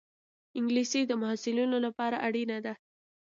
انګلیسي د محصلینو لپاره اړینه ده